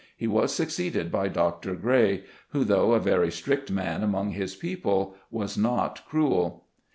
He was succeeded by Dr. Gray, who, though a very strict man among his people, was not cruel.